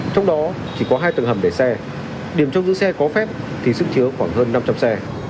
trong đó chỉ có hai tầng hầm để xe điểm trong giữ xe có phép thì sức chứa khoảng hơn năm trăm linh xe